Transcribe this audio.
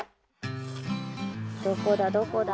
どこだどこだ？